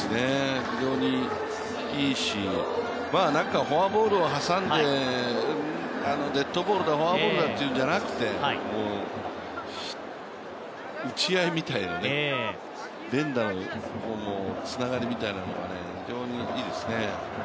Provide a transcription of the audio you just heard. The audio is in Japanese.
非常にいいし、なんかフォアボールを挟んで、デッドボールだフォアボールだじゃなくて、打ち合いみたいなね、連打の方のつながりみたいなのは非常にいいですね。